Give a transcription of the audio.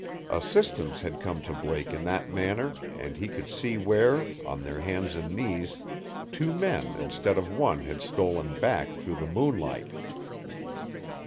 Assistance had come to Blake in that manner, and he could see where on their hands and knees two men instead of one had stolen back through the moonlight.